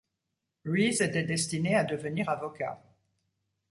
Reese était destiné à devenir avocat.